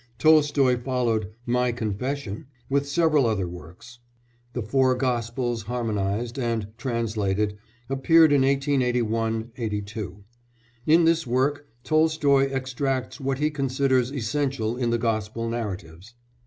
Tolstoy followed My Confession with several other works. The Four Gospels Harmonised and Translated appeared in 1881 2. In this work Tolstoy extracts what he considers essential in the Gospel narratives.